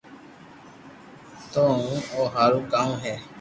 تو ھون او ھارو ڪاو ھي